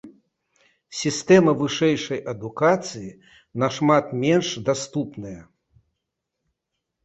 Сістэма вышэйшай адукацыі нашмат менш даступная.